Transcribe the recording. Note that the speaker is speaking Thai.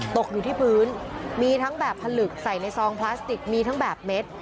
ตกอยู่ที่พื้นมีทั้งแบบผลึกใส่ในซองพลาสติกมีทั้งแบบเม็ด